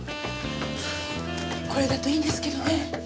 これだといいんですけどね。